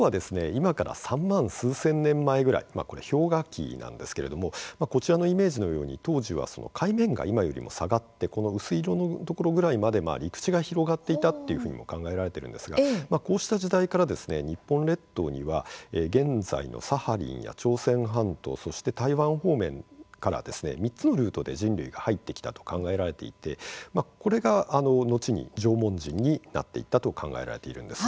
今から３万数千年前ぐらい氷河期なんですけれどもこちらのイメージのように当時は海面が今よりも下がってこの薄い色のところぐらいまで陸地が広がっていたというふうにも考えられているんですがこうした時代から日本列島には現在のサハリンや朝鮮半島そして、台湾方面から３つのルートで人類が入ってきたと考えられていてこれが後に縄文人になっていったと考えられているんです。